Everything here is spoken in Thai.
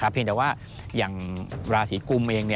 เพียงแต่ว่าอย่างราศีกุมเอง